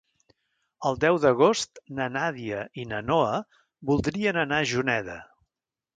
El deu d'agost na Nàdia i na Noa voldrien anar a Juneda.